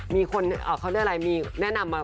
มีคนอ้าวเขาเรียกอะไรแนะนำมา